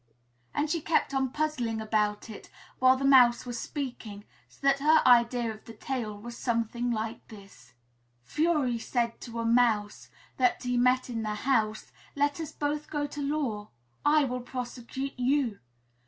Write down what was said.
And she kept on puzzling about it while the Mouse was speaking, so that her idea of the tale was something like this: "Fury said to a mouse, That he met in the house, 'Let us both go to law: I will prosecute you.